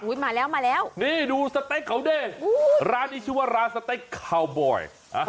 มาแล้วมาแล้วนี่ดูสเต็กเขาเด้ร้านนี้ชื่อว่าร้านสเต็กคาวบอย